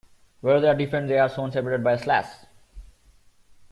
Where they are different, they are shown separated by a slash.